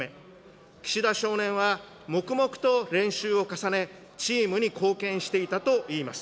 岸田少年は、黙々と練習を重ね、チームに貢献していたといいます。